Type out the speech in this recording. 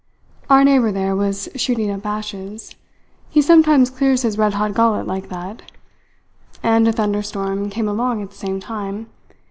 "Our neighbour there was shooting up ashes. He sometimes clears his red hot gullet like that; and a thunderstorm came along at the same time.